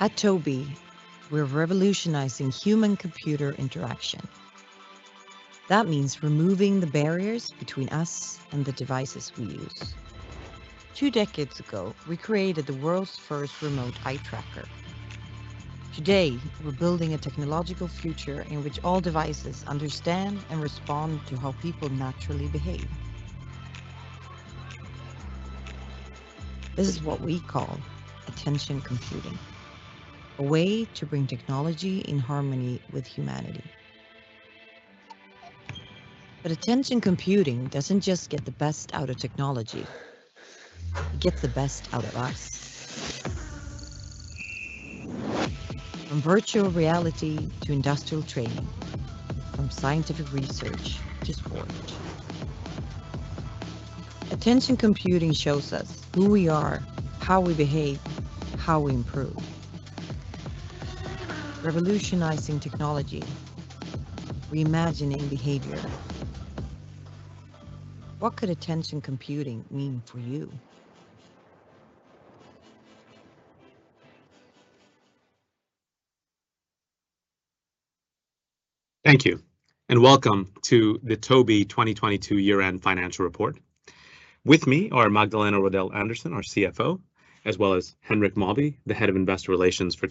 At Tobii, we're revolutionizing human computer interaction. That means removing the barriers between us and the devices we use. Two decades ago, we created the world's first remote eye tracker. Today, we're building a technological future in which all devices understand and respond to how people naturally behave. This is what we call attention computing, a way to bring technology in harmony with humanity. Attention computing doesn't just get the best out of technology, it gets the best out of us. From virtual reality to industrial training, from scientific research to sport, attention computing shows us who we are, how we behave, how we improve. Revolutionizing technology, reimagining behavior. What could attention computing mean for you? Welcome to the Tobii 2022 year-end financial report. With me are Magdalena Rodell Andersson, our CFO, as well as Henrik Mawby, the Head of Investor Relations for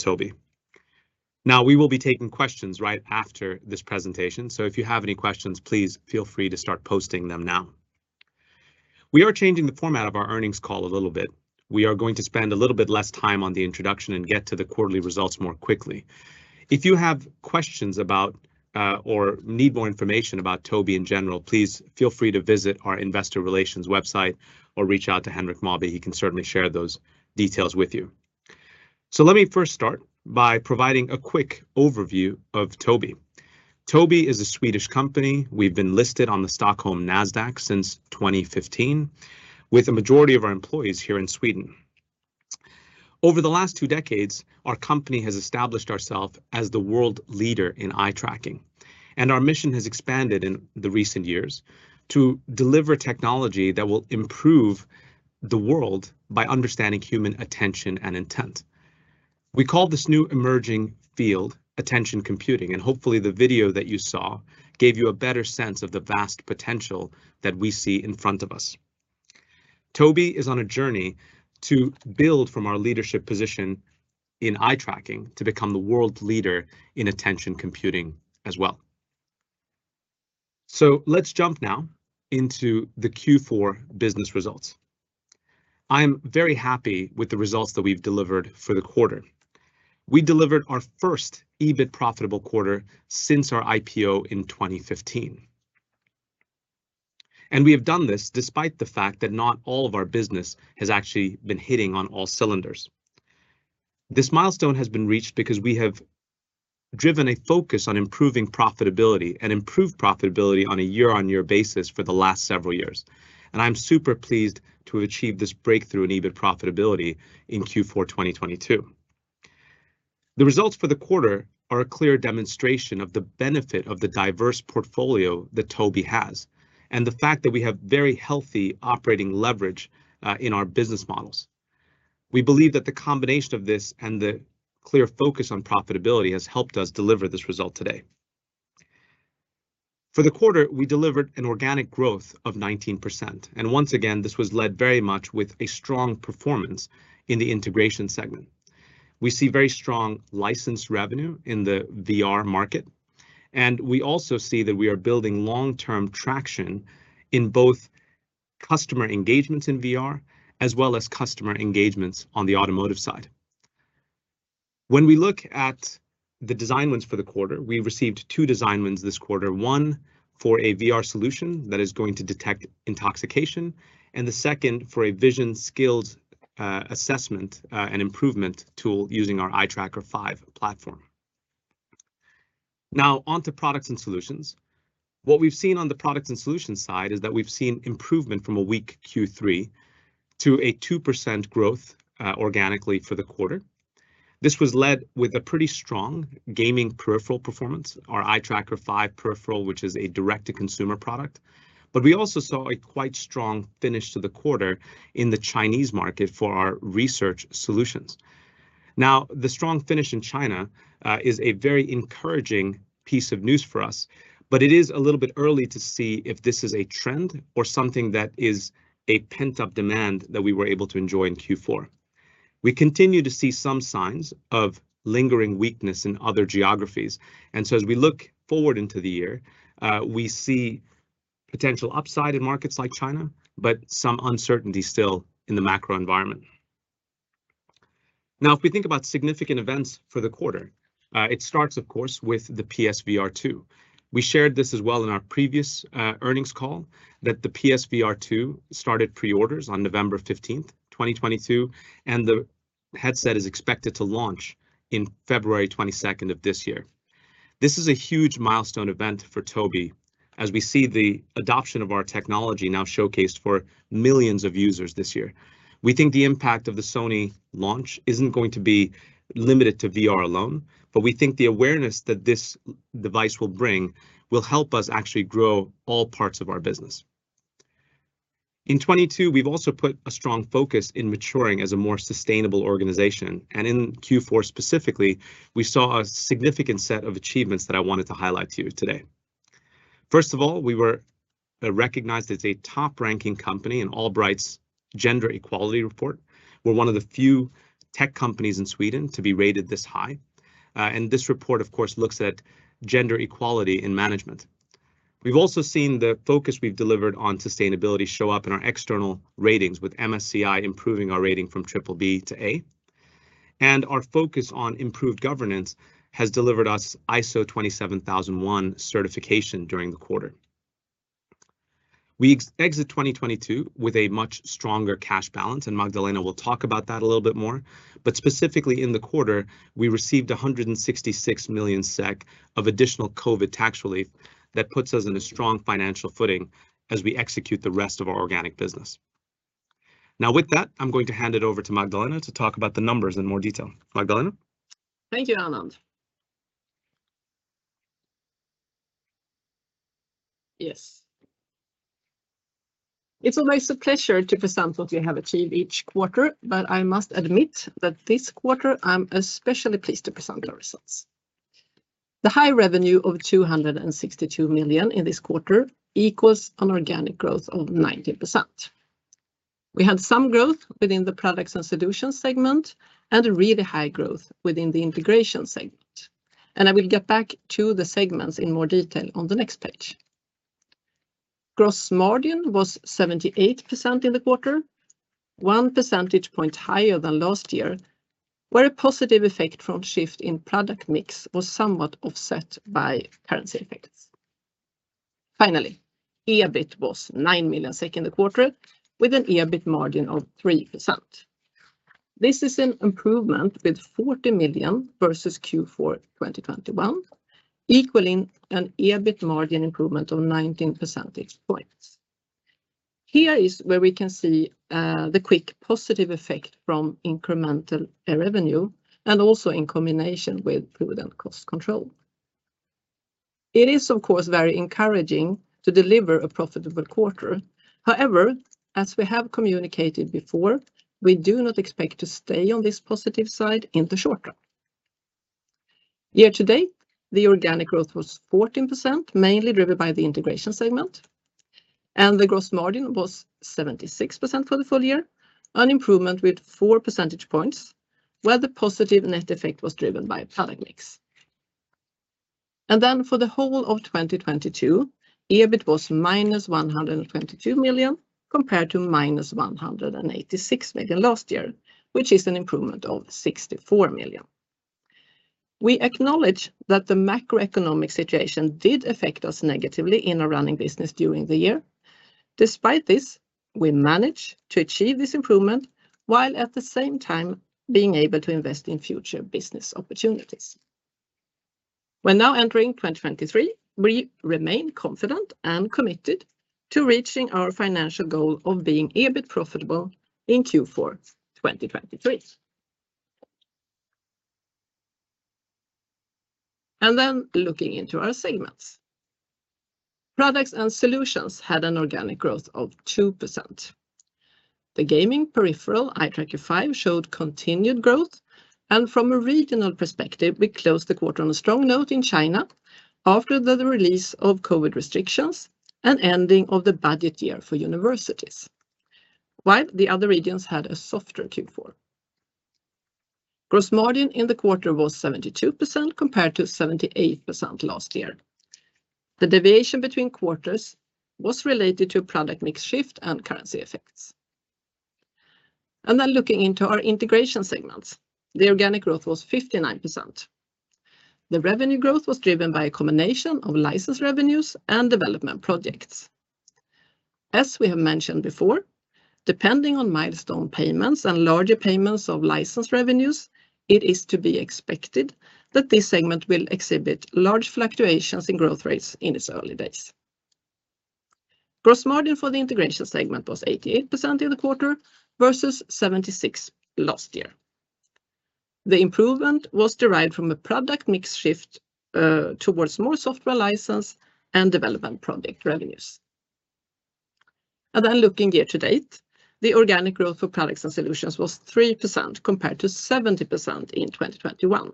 Tobii. We will be taking questions right after this presentation. If you have any questions, please feel free to start posting them now. We are changing the format of our earnings call a little bit. We are going to spend a little bit less time on the introduction, get to the quarterly results more quickly. If you have questions about or need more information about Tobii in general, please feel free to visit our investor relations website or reach out to Henrik Mawby. He can certainly share those details with you. Let me first start by providing a quick overview of Tobii. Tobii is a Swedish company. We've been listed on the Stockholm NASDAQ since 2015, with a majority of our employees here in Sweden. Over the last two decades, our company has established ourself as the world leader in eye tracking, and our mission has expanded in the recent years to deliver technology that will improve the world by understanding human attention and intent. We call this new emerging field attention computing, and hopefully the video that you saw gave you a better sense of the vast potential that we see in front of us. Tobii is on a journey to build from our leadership position in eye tracking to become the world leader in attention computing as well. Let's jump now into the Q4 business results. I am very happy with the results that we've delivered for the quarter. We delivered our first EBIT profitable quarter since our IPO in 2015. We have done this despite the fact that not all of our business has actually been hitting on all cylinders. This milestone has been reached because we have driven a focus on improving profitability and improved profitability on a year-on-year basis for the last several years, and I'm super pleased to achieve this breakthrough in EBIT profitability in Q4 2022. The results for the quarter are a clear demonstration of the benefit of the diverse portfolio that Tobii has and the fact that we have very healthy operating leverage in our business models. We believe that the combination of this and the clear focus on profitability has helped us deliver this result today. For the quarter, we delivered an organic growth of 19%, once again, this was led very much with a strong performance in the integration segment. We see very strong license revenue in the VR market, we also see that we are building long-term traction in both customer engagements in VR as well as customer engagements on the automotive side. When we look at the design wins for the quarter, we received two design wins this quarter. One for a VR solution that is going to detect intoxication the second for a vision skills assessment and improvement tool using our Eye Tracker 5 platform. Now on to products and solutions. What we've seen on the products and solutions side is that we've seen improvement from a weak Q3 to a 2% growth organically for the quarter. This was led with a pretty strong gaming peripheral performance. Our Eye Tracker 5 peripheral, which is a direct-to-consumer product. We also saw a quite strong finish to the quarter in the Chinese market for our research solutions. The strong finish in China is a very encouraging piece of news for us, but it is a little bit early to see if this is a trend or something that is a pent-up demand that we were able to enjoy in Q4. We continue to see some signs of lingering weakness in other geographies, and so as we look forward into the year, we see potential upside in markets like China, but some uncertainty still in the macro environment. If we think about significant events for the quarter, it starts of course, with the PS VR2. We shared this as well in our previous earnings call that the PS VR2 started pre-orders on November 15th, 2022, and the headset is expected to launch in February 22nd of this year. This is a huge milestone event for Tobii as we see the adoption of our technology now showcased for millions of users this year. We think the impact of the Sony launch isn't going to be limited to VR alone, but we think the awareness that this device will bring will help us actually grow all parts of our business. In 2022, we've also put a strong focus in maturing as a more sustainable organization, and in Q4 specifically, we saw a significant set of achievements that I wanted to highlight to you today. First of all, we were recognized as a top-ranking company in Allbright's gender equality report. We're one of the few tech companies in Sweden to be rated this high. This report, of course, looks at gender equality in management. We've also seen the focus we've delivered on sustainability show up in our external ratings, with MSCI improving our rating from BBB to A. Our focus on improved governance has delivered us ISO 27001 certification during the quarter. We exit 2022 with a much stronger cash balance. Magdalena will talk about that a little bit more. Specifically in the quarter, we received 166 million SEK of additional COVID tax relief that puts us in a strong financial footing as we execute the rest of our organic business. With that, I'm going to hand it over to Magdalena to talk about the numbers in more detail. Magdalena? Thank you, Anand. Yes. It's always a pleasure to present what we have achieved each quarter, but I must admit that this quarter, I'm especially pleased to present our results. The high revenue of 262 million in this quarter equals an organic growth of 90%. We had some growth within the products and solutions segment and really high growth within the integration segment. I will get back to the segments in more detail on the next page. Gross margin was 78% in the quarter, 1 percentage point higher than last year, where a positive effect from shift in product mix was somewhat offset by currency effects. Finally, EBIT was 9 million SEK in the quarter, with an EBIT margin of 3%. This is an improvement with 40 million versus Q4 2021, equaling an EBIT margin improvement of 19 percentage points. Here is where we can see the quick positive effect from incremental revenue and also in combination with prudent cost control. It is, of course, very encouraging to deliver a profitable quarter. However, as we have communicated before, we do not expect to stay on this positive side in the short run. Year to date, the organic growth was 14%, mainly driven by the integration segment, and the gross margin was 76% for the full year, an improvement with four percentage points, where the positive net effect was driven by product mix. For the whole of 2022, EBIT was minus 122 million compared to -186 million last year, which is an improvement of 64 million. We acknowledge that the macroeconomic situation did affect us negatively in our running business during the year. Despite this, we managed to achieve this improvement while at the same time being able to invest in future business opportunities. We're now entering 2023. We remain confident and committed to reaching our financial goal of being EBIT profitable in Q4 2023. Looking into our segments. Products and solutions had an organic growth of 2%. The gaming peripheral Eye Tracker 5 showed continued growth, and from a regional perspective, we closed the quarter on a strong note in China after the release of COVID restrictions and ending of the budget year for universities, while the other regions had a softer Q4. Gross margin in the quarter was 72% compared to 78% last year. The deviation between quarters was related to product mix shift and currency effects. Looking into our integration segments, the organic growth was 59%. The revenue growth was driven by a combination of license revenues and development projects. As we have mentioned before, depending on milestone payments and larger payments of license revenues, it is to be expected that this segment will exhibit large fluctuations in growth rates in its early days. Gross margin for the integration segment was 88% in the quarter versus 76% last year. The improvement was derived from a product mix shift towards more software license and development project revenues. Looking year-to-date, the organic growth for products and solutions was 3% compared to 70% in 2021.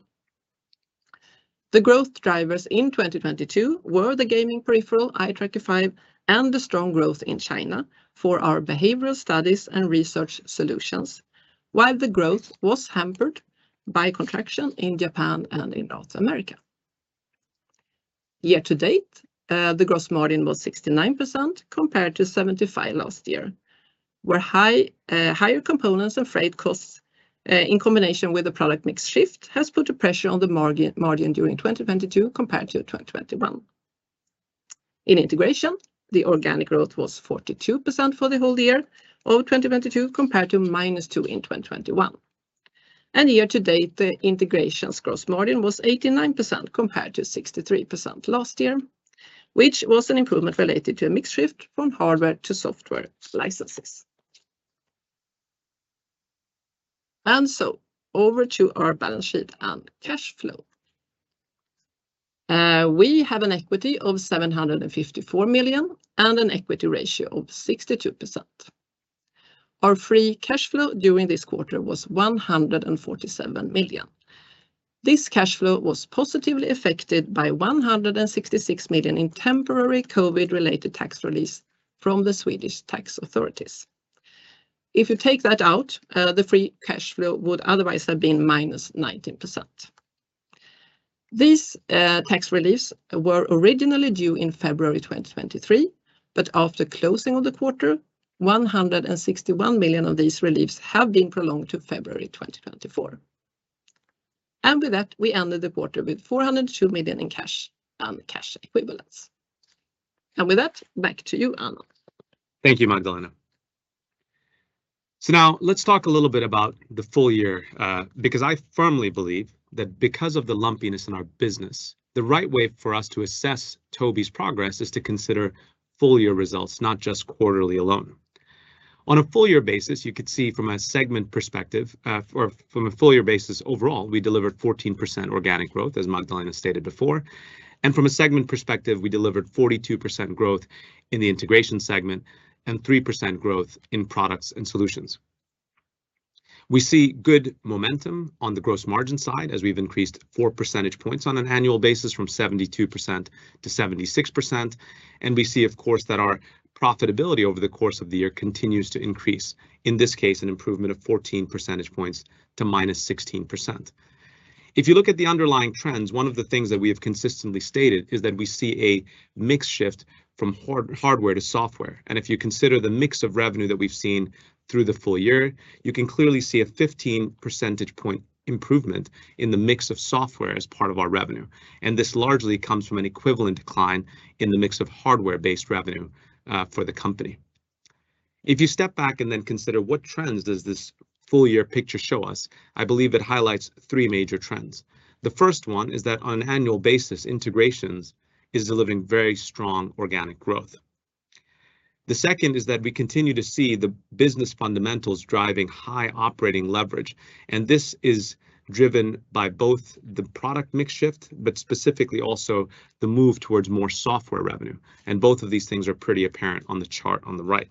The growth drivers in 2022 were the gaming peripheral Eye Tracker 5 and the strong growth in China for our behavioral studies and research solutions, while the growth was hampered by contraction in Japan and in North America. Year to date, the gross margin was 69% compared to 75% last year, where high, higher components and freight costs, in combination with the product mix shift has put a pressure on the margin during 2022 compared to 2021. In integration, the organic growth was 42% for the whole year of 2022 compared to -2% in 2021. Year to date, the integration's gross margin was 89% compared to 63% last year, which was an improvement related to a mix shift from hardware to software licenses. Over to our balance sheet and cash flow. We have an equity of 754 million and an equity ratio of 62%. Our free cash flow during this quarter was 147 million. This cash flow was positively affected by 166 million in temporary COVID-related tax release from the Swedish Tax Authorities. If you take that out, the free cash flow would otherwise have been -19%. These tax reliefs were originally due in February 2023. After closing of the quarter, 161 million of these reliefs have been prolonged to February 2024. With that, we ended the quarter with 402 million in cash and cash equivalents. With that, back to you, Anand. Thank you, Magdalena. Now let's talk a little bit about the full year, because I firmly believe that because of the lumpiness in our business, the right way for us to assess Tobii's progress is to consider full year results, not just quarterly alone. On a full year basis, you could see from a segment perspective, or from a full year basis overall, we delivered 14% organic growth, as Magdalena stated before. From a segment perspective, we delivered 42% growth in the integration segment and 3% growth in products and solutions. We see good momentum on the gross margin side as we've increased 4 percentage points on an annual basis from 72% to 76%. We see, of course, that our profitability over the course of the year continues to increase, in this case, an improvement of 14 percentage points to -16%. If you look at the underlying trends, one of the things that we have consistently stated is that we see a mix shift from hardware to software. If you consider the mix of revenue that we've seen through the full year, you can clearly see a 15 percentage point improvement in the mix of software as part of our revenue. This largely comes from an equivalent decline in the mix of hardware-based revenue for the company. If you step back and then consider what trends does this full year picture show us, I believe it highlights three major trends. The first one is that on an annual basis, integrations is delivering very strong organic growth. The second is that we continue to see the business fundamentals driving high operating leverage. This is driven by both the product mix shift, but specifically also the move towards more software revenue. Both of these things are pretty apparent on the chart on the right.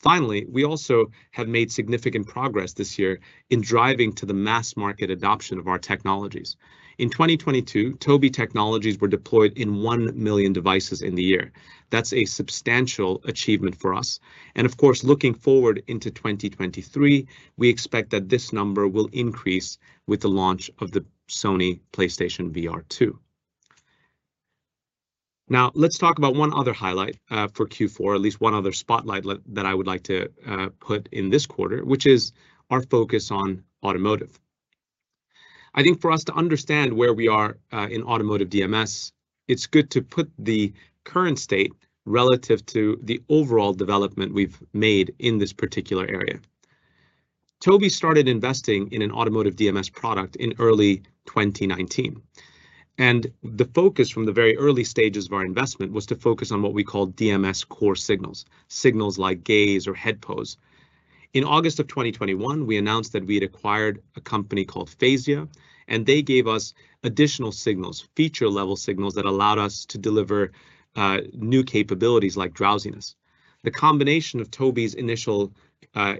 Finally, we also have made significant progress this year in driving to the mass market adoption of our technologies. In 2022, Tobii technologies were deployed in one million devices in the year. That's a substantial achievement for us. Of course, looking forward into 2023, we expect that this number will increase with the launch of the Sony PlayStation VR2. Now, let's talk about one other highlight for Q4, at least one other spotlight that I would like to put in this quarter, which is our focus on automotive. I think for us to understand where we are in automotive DMS, it's good to put the current state relative to the overall development we've made in this particular area. Tobii started investing in an automotive DMS product in early 2019. The focus from the very early stages of our investment was to focus on what we call DMS core signals like gaze or head pose. In August of 2021, we announced that we had acquired a company called Phasya. They gave us additional signals, feature-level signals that allowed us to deliver new capabilities like drowsiness. The combination of Tobii's initial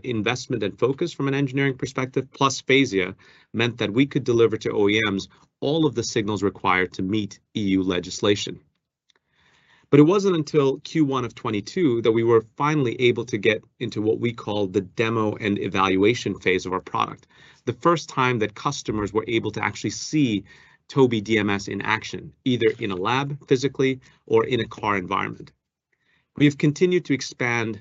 investment and focus from an engineering perspective, plus Phasya, meant that we could deliver to OEMs all of the signals required to meet EU legislation. It wasn't until Q1 of 2022 that we were finally able to get into what we call the demo and evaluation phase of our product. The first time that customers were able to actually see Tobii DMS in action, either in a lab physically or in a car environment. We've continued to expand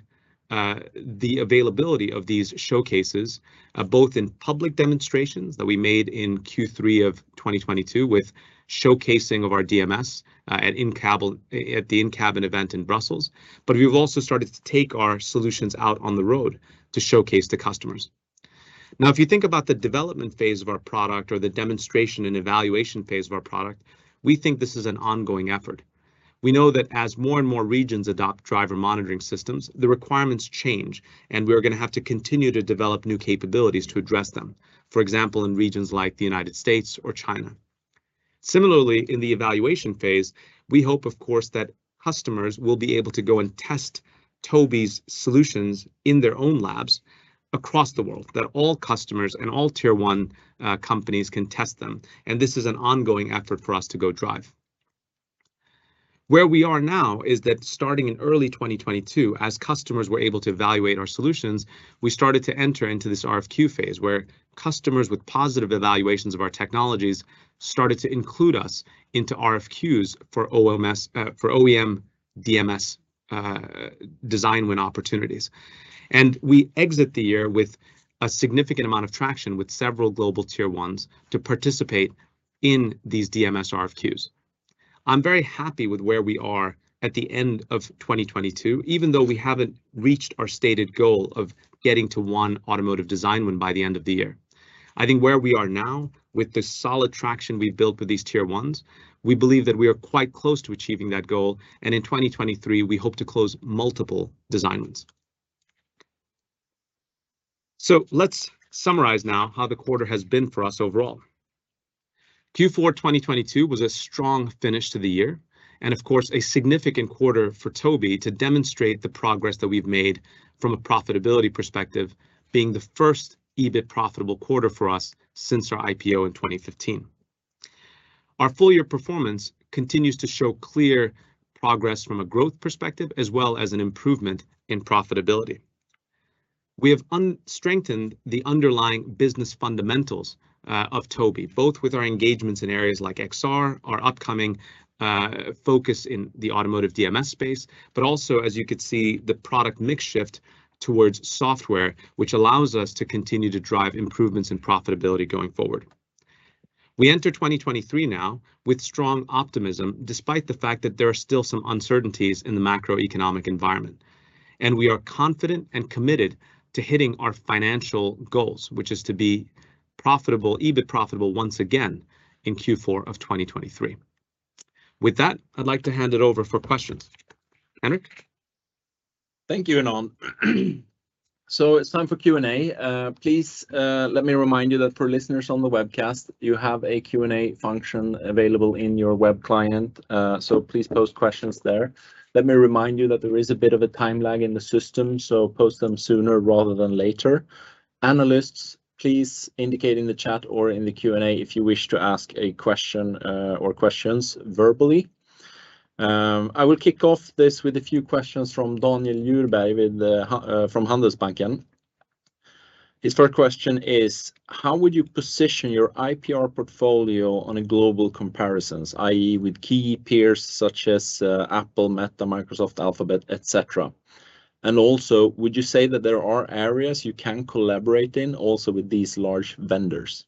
the availability of these showcases, both in public demonstrations that we made in Q3 of 2022 with showcasing of our DMS, at the InCabin event in Brussels. We've also started to take our solutions out on the road to showcase to customers. If you think about the development phase of our product or the demonstration and evaluation phase of our product, we think this is an ongoing effort. We know that as more and more regions adopt Driver Monitoring Systems, the requirements change. We are gonna have to continue to develop new capabilities to address them, for example, in regions like the United States or China. Similarly, in the evaluation phase, we hope, of course, that customers will be able to go and test Tobii's solutions in their own labs across the world, that all customers and all tier one companies can test them. This is an ongoing effort for us to go drive. Where we are now is that starting in early 2022, as customers were able to evaluate our solutions, we started to enter into this RFQ phase where customers with positive evaluations of our technologies started to include us into RFQs for OEM DMS design win opportunities. We exit the year with a significant amount of traction with several global tier ones to participate in these DMS RFQs. I'm very happy with where we are at the end of 2022, even though we haven't reached our stated goal of getting to one automotive design win by the end of the year. I think where we are now with the solid traction we've built with these tier ones, we believe that we are quite close to achieving that goal, and in 2023, we hope to close multiple design wins. Let's summarize now how the quarter has been for us overall. Q4 2022 was a strong finish to the year, and of course, a significant quarter for Tobii to demonstrate the progress that we've made from a profitability perspective, being the first EBIT profitable quarter for us since our IPO in 2015. Our full year performance continues to show clear progress from a growth perspective as well as an improvement in profitability. We have un-strengthened the underlying business fundamentals of Tobii, both with our engagements in areas like XR, our upcoming focus in the automotive DMS space, but also, as you could see, the product mix shift towards software, which allows us to continue to drive improvements in profitability going forward. We enter 2023 now with strong optimism despite the fact that there are still some uncertainties in the macroeconomic environment, and we are confident and committed to hitting our financial goals, which is to be profitable, EBIT profitable once again in Q4 of 2023. With that, I'd like to hand it over for questions. Henrik? Thank you, Anand. It's time for Q&A. Please, let me remind you that for listeners on the webcast, you have a Q&A function available in your web client. Please post questions there. Let me remind you that there is a bit of a time lag in the system, so post them sooner rather than later. Analysts, please indicate in the chat or in the Q&A if you wish to ask a question or questions verbally. I will kick off this with a few questions from Daniel Djurberg with, from Handelsbanken. His first question is, how would you position your IPR portfolio on a global comparisons, i.e., with key peers such as Apple, Meta, Microsoft, Alphabet, etcetera? Also, would you say that there are areas you can collaborate in also with these large vendors?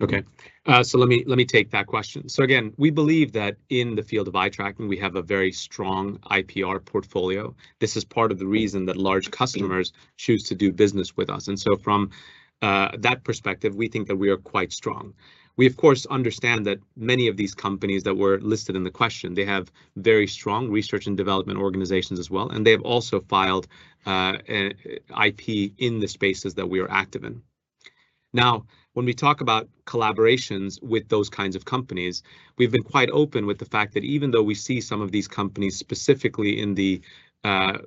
Okay. Let me take that question. Again, we believe that in the field of eye tracking, we have a very strong IPR portfolio. This is part of the reason that large customers choose to do business with us. From that perspective, we think that we are quite strong. We, of course, understand that many of these companies that were listed in the question, they have very strong research and development organizations as well, and they've also filed IP in the spaces that we are active in. When we talk about collaborations with those kinds of companies, we've been quite open with the fact that even though we see some of these companies specifically in the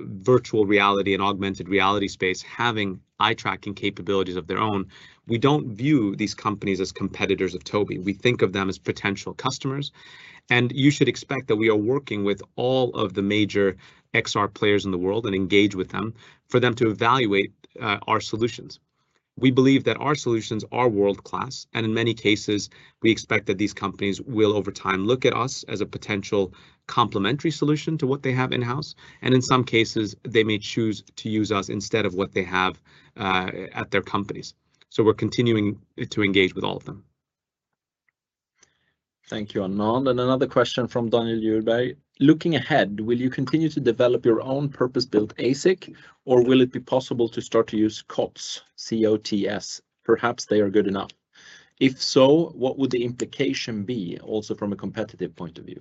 virtual reality and augmented reality space having eye-tracking capabilities of their own, we don't view these companies as competitors of Tobii. We think of them as potential customers, and you should expect that we are working with all of the major XR players in the world and engage with them for them to evaluate our solutions. We believe that our solutions are world-class, and in many cases, we expect that these companies will over time look at us as a potential complementary solution to what they have in-house. In some cases, they may choose to use us instead of what they have at their companies. We're continuing to engage with all of them. Thank you, Anand. Another question from Daniel Djurberg. Looking ahead, will you continue to develop your own purpose-built ASIC, or will it be possible to start to use COTS, C-O-T-S? Perhaps they are good enough. If so, what would the implication be also from a competitive point of view?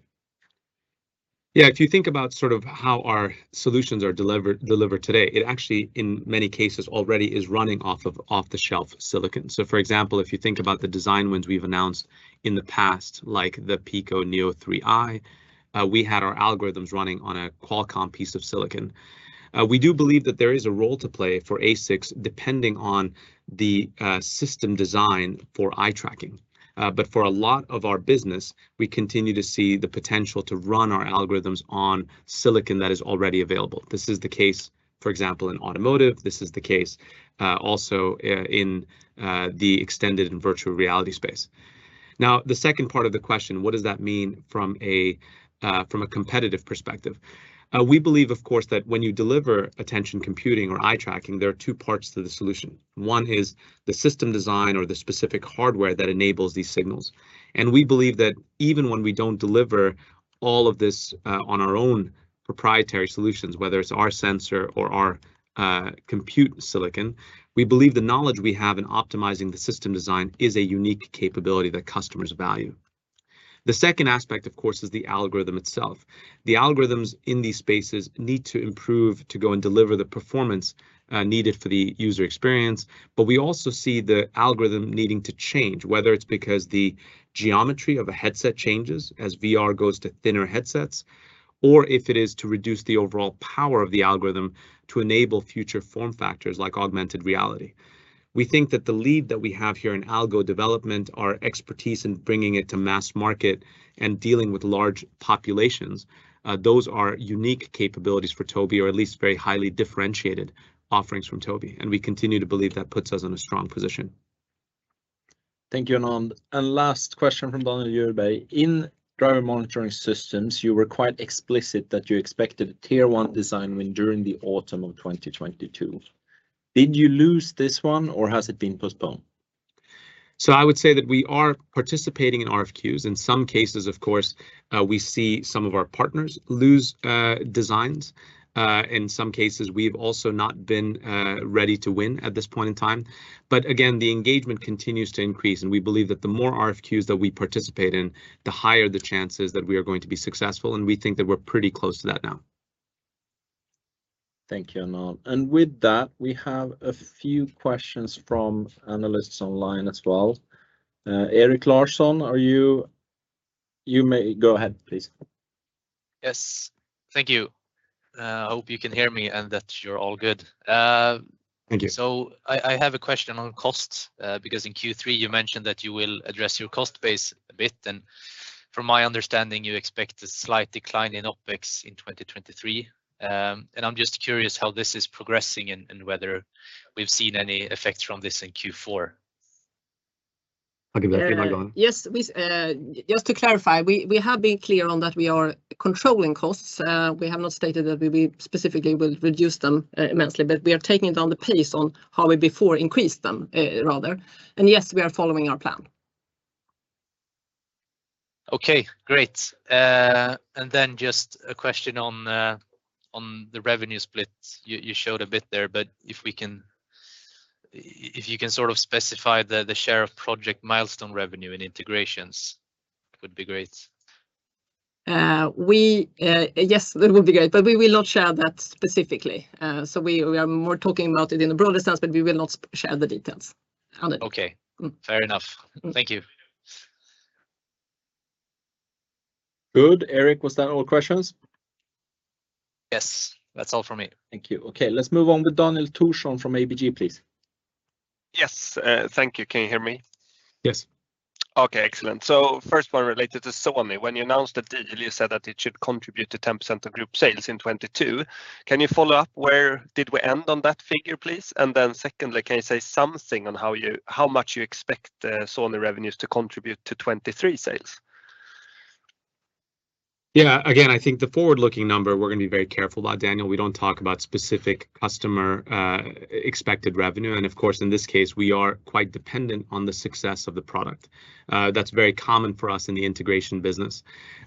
If you think about sort of how our solutions are delivered today, it actually in many cases already is running off-the-shelf silicon. For example, if you think about the design wins we've announced in the past, like the Pico Neo 3 Eye, we had our algorithms running on a Qualcomm piece of silicon. We do believe that there is a role to play for ASICs depending on the system design for eye tracking. But for a lot of our business, we continue to see the potential to run our algorithms on silicon that is already available. This is the case, for example, in automotive. This is the case also in the extended and virtual reality space. The second part of the question, what does that mean from a competitive perspective? We believe, of course, that when you deliver attention computing or eye tracking, there are two parts to the solution. One is the system design or the specific hardware that enables these signals. We believe that even when we don't deliver all of this on our own proprietary solutions, whether it's our sensor or our compute silicon, we believe the knowledge we have in optimizing the system design is a unique capability that customers value. The second aspect, of course, is the algorithm itself. The algorithms in these spaces need to improve to go and deliver the performance needed for the user experience. We also see the algorithm needing to change, whether it's because the geometry of a headset changes as VR goes to thinner headsets, or if it is to reduce the overall power of the algorithm to enable future form factors like augmented reality. We think that the lead that we have here in algo development, our expertise in bringing it to mass market and dealing with large populations, those are unique capabilities for Tobii, or at least very highly differentiated offerings from Tobii. We continue to believe that puts us in a strong position. Thank you, Anand. Last question from Daniel Djurberg. In driver monitoring systems, you were quite explicit that you expected a tier one design win during the autumn of 2022. Did you lose this one or has it been postponed? I would say that we are participating in RFQs. In some cases, of course, we see some of our partners lose designs. In some cases we've also not been ready to win at this point in time. Again, the engagement continues to increase, and we believe that the more RFQs that we participate in, the higher the chances that we are going to be successful, and we think that we're pretty close to that now. Thank you, Anand. With that, we have a few questions from analysts online as well. Erik Larsson, You may go ahead, please. Yes. Thank you. Hope you can hear me and that you're all good. Thank you. I have a question on costs, because in Q3 you mentioned that you will address your cost base a bit, and from my understanding, you expect a slight decline in OpEx in 2023. I'm just curious how this is progressing and whether we've seen any effect from this in Q4. I'll give that to Magdalena. Yeah. Yes, we just to clarify, we have been clear on that we are controlling costs. We have not stated that we specifically will reduce them immensely, but we are taking down the pace on how we before increased them rather. Yes, we are following our plan. Okay, great. Then just a question on the revenue split. You showed a bit there, but if you can sort of specify the share of project milestone revenue in integrations would be great. We, yes, that would be great, but we will not share that specifically. We are more talking about it in a broader sense, but we will not share the details on it. Okay. Mm. Fair enough. Mm. Thank you. Good. Erik, was that all questions? Yes, that's all from me. Thank you. Okay, let's move on with Daniel Thorsson from ABG, please. Yes. Thank you. Can you hear me? Yes. Excellent. First one related to Sony. When you announced the deal, you said that it should contribute to 10% of group sales in 2022. Can you follow up where did we end on that figure, please? Secondly, can you say something on how much you expect Sony revenues to contribute to 2023 sales? Yeah. Again, I think the forward-looking number, we're gonna be very careful about, Daniel. We don't talk about specific customer expected revenue. Of course, in this case, we are quite dependent on the success of the product. That's very common for us in the integration business.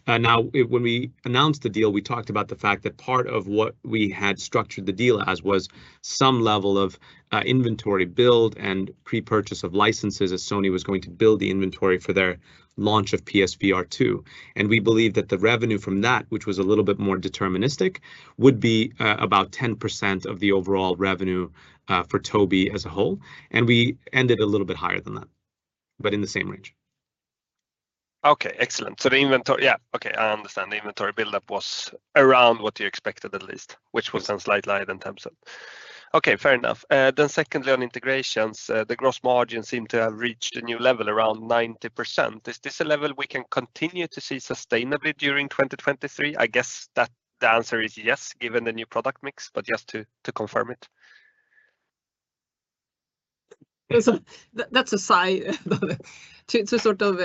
Now, when we announced the deal, we talked about the fact that part of what we had structured the deal as was some level of inventory build and pre-purchase of licenses as Sony was going to build the inventory for their launch of PS VR2. We believe that the revenue from that, which was a little bit more deterministic, would be about 10% of the overall revenue for Tobii as a whole. We ended a little bit higher than that, but in the same range. Okay. Excellent. The inventory... Yeah, okay. I understand. The inventory buildup was around what you expected, at least- Mm... which was slight higher than 10%. Okay, fair enough. Secondly, on integrations, the gross margin seemed to have reached a new level, around 90%. Is this a level we can continue to see sustainably during 2023? I guess that the answer is yes, given the new product mix, but just to confirm it. That's a sigh, Daniel. To sort of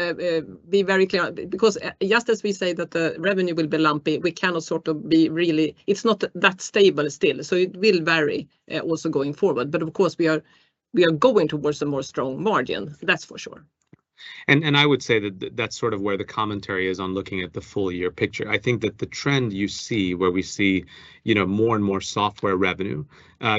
be very clear, because just as we say that the revenue will be lumpy, we cannot sort of be really. It's not that stable still, so it will vary also going forward. Of course, we are going towards a more strong margin, that's for sure. I would say that that's sort of where the commentary is on looking at the full year picture. I think that the trend you see, where we see, you know, more and more software revenue,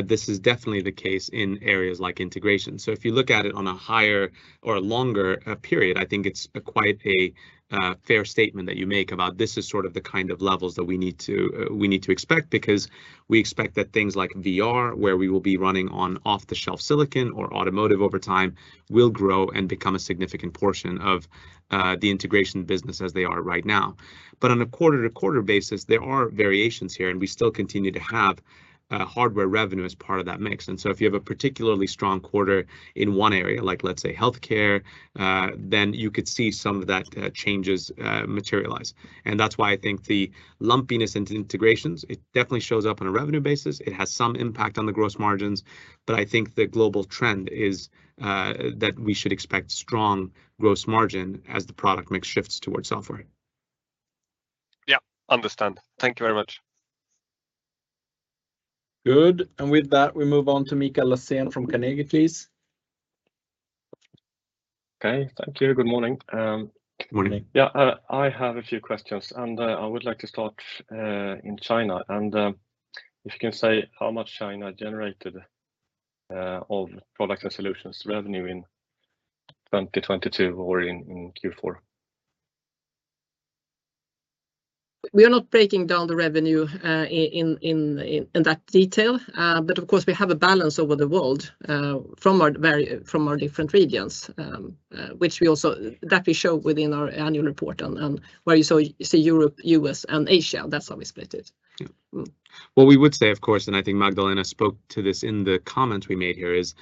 this is definitely the case in areas like integration. If you look at it on a higher or a longer period, I think it's a quite a fair statement that you make about this is sort of the kind of levels that we need to, we need to expect. Because we expect that things like VR, where we will be running on off-the-shelf silicon, or automotive over time, will grow and become a significant portion of the integration business as they are right now. On a quarter-to-quarter basis, there are variations here, and we still continue to have hardware revenue as part of that mix. If you have a particularly strong quarter in one area, like, let's say, healthcare, then you could see some of that changes materialize, and that's why I think the lumpiness into integrations, it definitely shows up on a revenue basis. It has some impact on the gross margins. I think the global trend is that we should expect strong gross margin as the product mix shifts towards software. Yeah. Understand. Thank you very much. Good. With that, we move on to Mikael Laséen from Carnegie, please. Okay. Thank you. Good morning. Good morning. Yeah. I have a few questions, and I would like to start in China. If you can say how much China generated of products and solutions revenue in 2022 or in Q4. We are not breaking down the revenue in that detail. Of course, we have a balance over the world from our different regions, which we also that we show within our annual report on where you saw, you see Europe, U.S., and Asia. That's how we split it. What we would say, of course, I think Magdalena spoke to this in the comments we made here, is,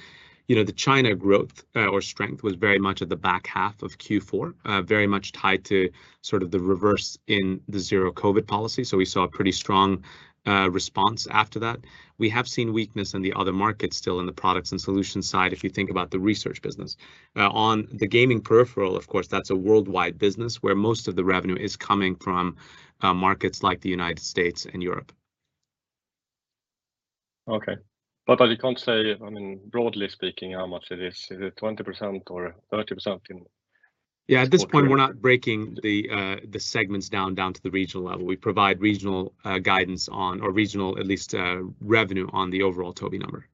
you know, the China growth, or strength was very much at the back half of Q4, very much tied to sort of the reverse in the zero COVID policy. We saw a pretty strong response after that. We have seen weakness in the other markets still in the products and solutions side, if you think about the research business. On the gaming peripheral, of course, that's a worldwide business where most of the revenue is coming from, markets like the United States and Europe. Okay. You can't say, I mean, broadly speaking, how much it is? Is it 20% or 30%? Yeah, at this point, we're not breaking the segments down to the regional level. We provide regional guidance on, or regional at least, revenue on the overall Tobii number.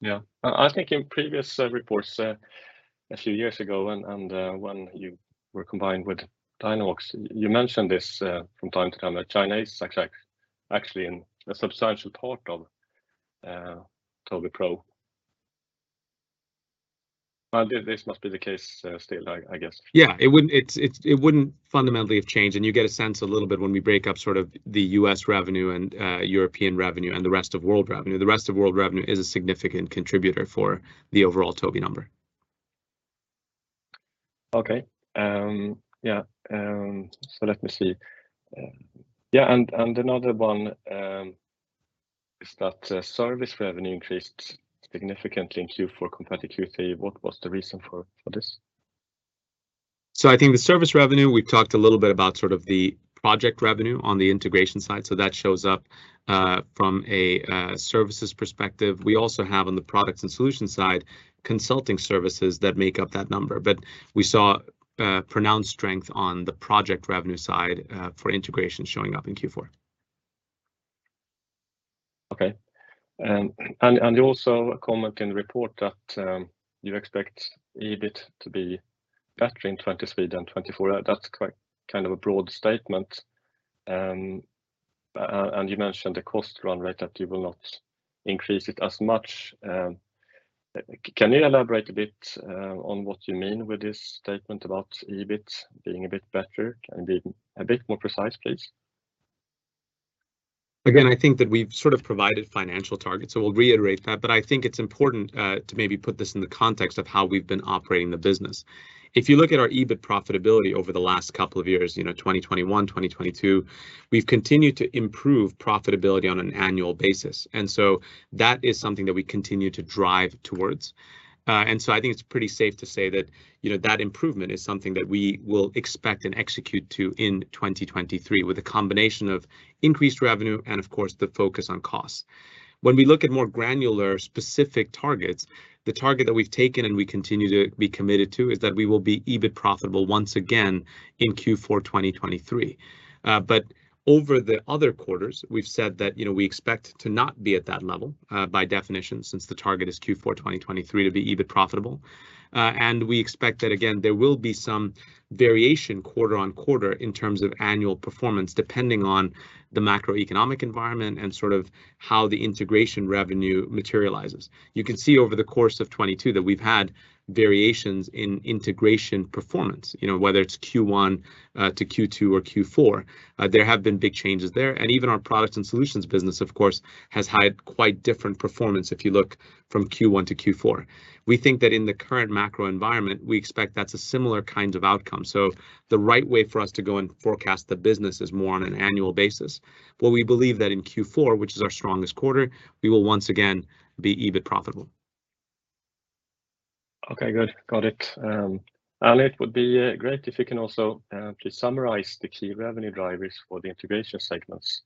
Yeah. I think in previous reports a few years ago and when you were combined with Dynavox, you mentioned this from time to time, that China is actually in a substantial part of Tobii Pro. This must be the case still, I guess. Yeah. It wouldn't fundamentally have changed, you get a sense a little bit when we break up sort of the U.S. Revenue and European revenue, and the rest of world revenue. The rest of world revenue is a significant contributor for the overall Tobii number. Okay. Yeah. Let me see. Another one is that service revenue increased significantly in Q4 compared to Q3. What was the reason for this? I think the service revenue, we've talked a little bit about sort of the project revenue on the integration side, that shows up from a services perspective. We also have on the products and solutions side, consulting services that make up that number. We saw pronounced strength on the project revenue side for integration showing up in Q4. Okay. You also comment in the report that you expect EBIT to be better in 2023 than 2024. That's quite, kind of a broad statement. You mentioned the cost run rate that you will not increase it as much. Can you elaborate a bit on what you mean with this statement about EBIT being a bit better and being a bit more precise, please? I think that we've sort of provided financial targets, so we'll reiterate that. I think it's important to maybe put this in the context of how we've been operating the business. If you look at our EBIT profitability over the last couple of years, you know, 2021, 2022, we've continued to improve profitability on an annual basis. That is something that we continue to drive towards. I think it's pretty safe to say that, you know, that improvement is something that we will expect and execute to in 2023, with a combination of increased revenue and of course, the focus on costs. When we look at more granular specific targets, the target that we've taken and we continue to be committed to, is that we will be EBIT profitable once again in Q4 2023. Over the other quarters, we've said that, you know, we expect to not be at that level by definition since the target is Q4 2023 to be EBIT profitable. We expect that again, there will be some variation quarter-on-quarter in terms of annual performance, depending on the macroeconomic environment and sort of how the integration revenue materializes. You can see over the course of 2022 that we've had variations in integration performance, you know, whether it's Q1 to Q2 or Q4. There have been big changes there. Even our products and solutions business, of course, has had quite different performance if you look from Q1 to Q4. We think that in the current macro environment, we expect that's a similar kind of outcome. The right way for us to go and forecast the business is more on an annual basis. We believe that in Q4, which is our strongest quarter, we will once again be EBIT profitable. Okay, good. Got it. It would be great if you can also just summarize the key revenue drivers for the integration segments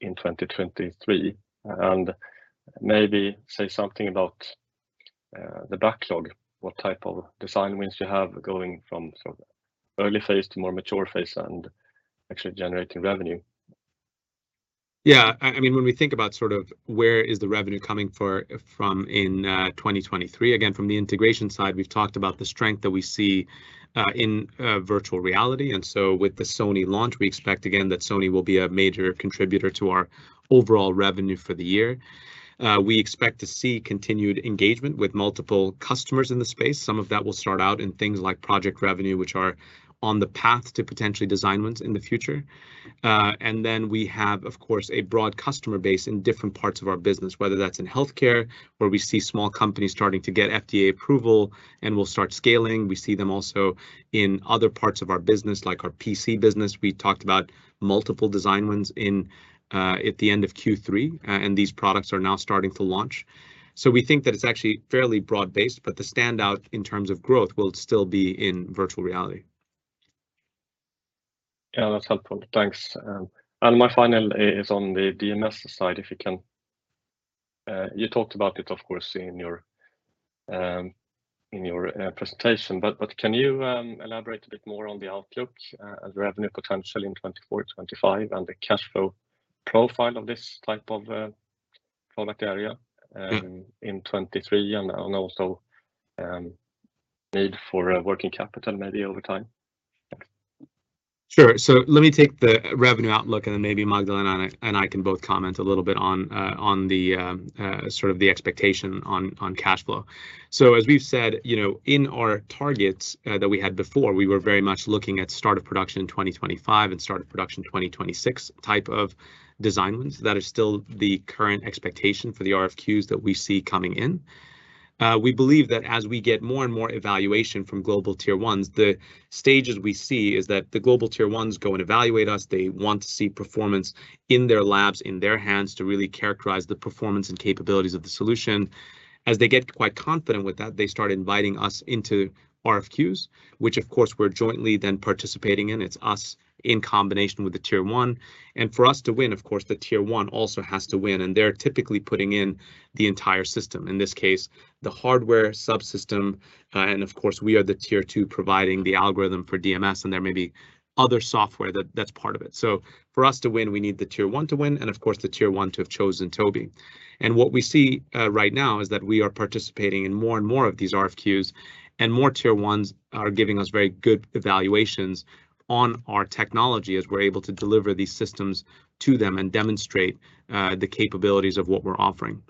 in 2023, and maybe say something about the backlog, what type of design wins you have going from sort of early phase to more mature phase and actually generating revenue. I mean, when we think about sort of where is the revenue coming from in 2023, again, from the integration side, we've talked about the strength that we see in virtual reality. With the Sony launch, we expect again that Sony will be a major contributor to our overall revenue for the year. We expect to see continued engagement with multiple customers in the space. Some of that will start out in things like project revenue, which are on the path to potentially design wins in the future. We have, of course, a broad customer base in different parts of our business, whether that's in healthcare, where we see small companies starting to get FDA approval and will start scaling. We see them also in other parts of our business, like our PC business. We talked about multiple design wins in at the end of Q3. These products are now starting to launch. We think that it's actually fairly broad-based, but the standout in terms of growth will still be in virtual reality. Yeah, that's helpful. Thanks. My final is on the DMS side, if you can. You talked about it, of course, in your, in your presentation. Can you elaborate a bit more on the outlook and revenue potential in 2024, 2025, and the cash flow profile of this type of product area, in 2023 and also need for working capital maybe over time? Thanks. Sure. Let me take the revenue outlook, and then maybe Magdalena and I can both comment a little bit on the sort of the expectation on cash flow. As we've said, you know, in our targets that we had before, we were very much looking at start of production in 2025 and start of production 2026 type of design wins. That is still the current expectation for the RFQs that we see coming in. We believe that as we get more and more evaluation from global tier ones, the stages we see is that the global tier ones go and evaluate us. They want to see performance in their labs, in their hands, to really characterize the performance and capabilities of the solution. As they get quite confident with that, they start inviting us into RFQs, which of course, we're jointly then participating in. It's us in combination with the tier one. For us to win, of course, the tier one also has to win, and they're typically putting in the entire system, in this case, the hardware subsystem. Of course, we are the tier two providing the algorithm for DMS, and there may be other software that's part of it. For us to win, we need the tier one to win, and of course, the tier one to have chosen Tobii. What we see right now is that we are participating in more and more of these RFQs, and more tier ones are giving us very good evaluations on our technology as we're able to deliver these systems to them and demonstrate the capabilities of what we're offering.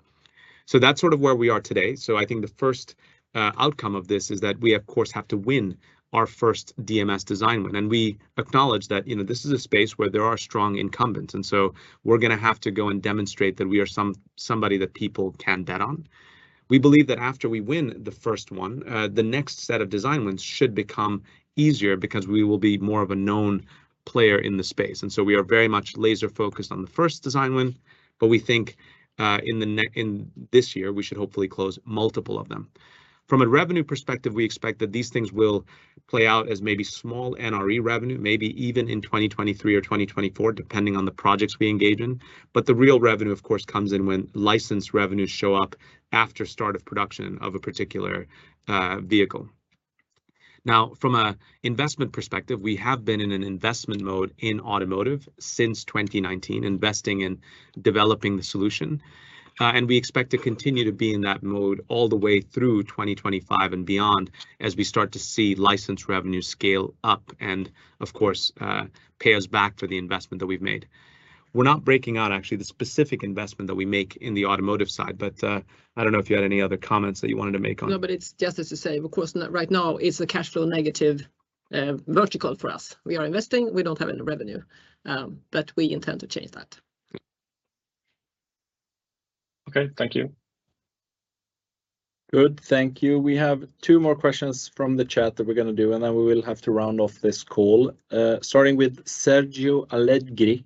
That's sort of where we are today. I think the first outcome of this is that we of course have to win our first DMS design win, and we acknowledge that, you know, this is a space where there are strong incumbents, we're gonna have to go and demonstrate that we are somebody that people can bet on. We believe that after we win the first one, the next set of design wins should become easier because we will be more of a known player in the space. We are very much laser focused on the first design win. We think, in this year, we should hopefully close multiple of them. From a revenue perspective, we expect that these things will play out as maybe small NRE revenue, maybe even in 2023 or 2024, depending on the projects we engage in. The real revenue, of course, comes in when licensed revenues show up after start of production of a particular vehicle. From a investment perspective, we have been in an investment mode in automotive since 2019, investing in developing the solution. We expect to continue to be in that mode all the way through 2025 and beyond as we start to see license revenue scale up and of course, pay us back for the investment that we've made. We're not breaking out actually the specific investment that we make in the automotive side, but I don't know if you had any other comments that you wanted to make. It's just as to say, of course, right now it's a cash flow negative vertical for us. We are investing. We don't have any revenue. We intend to change that. Yeah. Okay. Thank you. Good. Thank you. We have two more questions from the chat that we're gonna do. Then we will have to round off this call. Starting with Sergio Allegri.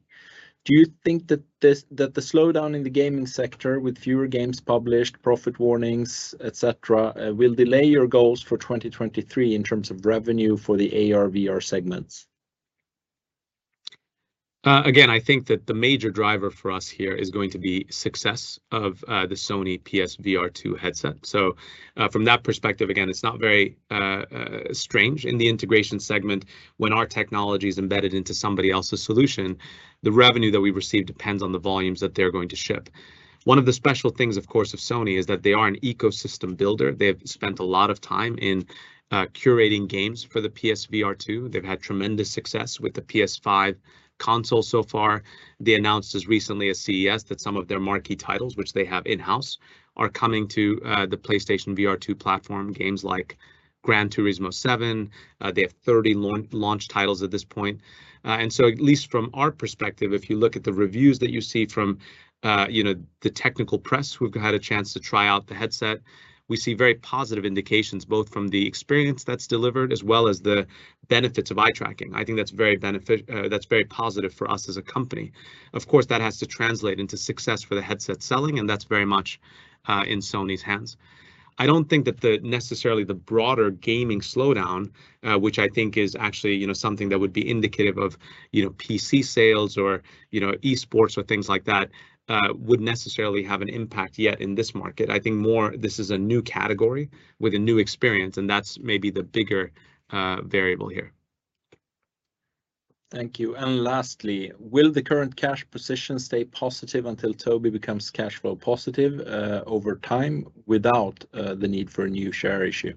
Do you think that the slowdown in the gaming sector with fewer games published, profit warnings, et cetera, will delay your goals for 2023 in terms of revenue for the AR/VR segments? I think that the major driver for us here is going to be success of the Sony PlayStation VR2 headset. From that perspective, again, it's not very strange in the integration segment when our technology's embedded into somebody else's solution. The revenue that we receive depends on the volumes that they're going to ship. One of the special things, of course, of Sony is that they are an ecosystem builder. They have spent a lot of time in curating games for the PlayStation VR2. They've had tremendous success with the PS5 console so far. They announced as recently as CES that some of their marquee titles, which they have in-house, are coming to the PlayStation VR2 platform, games like Gran Turismo 7. They have 30 launch titles at this point. At least from our perspective, if you look at the reviews that you see from, you know, the technical press who've had a chance to try out the headset, we see very positive indications, both from the experience that's delivered as well as the benefits of eye tracking. I think that's very positive for us as a company. Of course, that has to translate into success for the headset selling, and that's very much in Sony's hands. I don't think that the necessarily the broader gaming slowdown, which I think is actually, you know, something that would be indicative of, you know, PC sales or, you know, esports or things like that, would necessarily have an impact yet in this market. I think more this is a new category with a new experience, and that's maybe the bigger variable here. Thank you. Lastly, will the current cash position stay positive until Tobii becomes cashflow positive, over time without the need for a new share issue?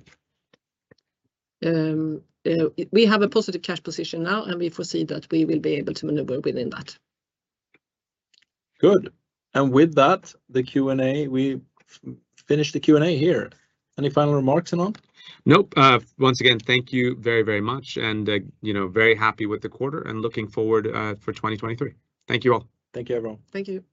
We have a positive cash position now, and we foresee that we will be able to maneuver within that. Good. With that, the Q&A, we finish the Q&A here. Any final remarks, Anand? Nope. Once again, thank you very, very much, and, you know, very happy with the quarter and looking forward for 2023. Thank you all. Thank you, everyone. Thank you.